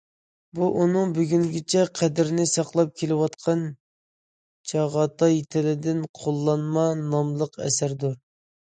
بۇ ئۇنىڭ بۈگۈنگىچە قەدرىنى ساقلاپ كېلىۋاتقان« چاغاتاي تىلىدىن قوللانما» ناملىق ئەسەردۇر.